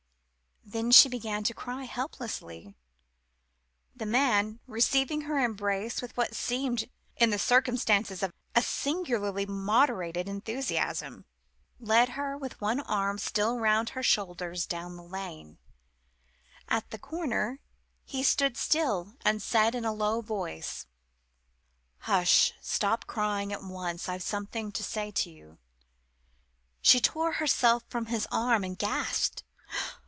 Then she began to cry helplessly. The man, receiving her embrace with what seemed in the circumstances a singularly moderated enthusiasm, led her with one arm still lightly about her shoulders down the lane: at the corner he stood still, and said in a low voice "Hush stop crying at once! I've something to say to you." She tore herself from his arm, and gasped.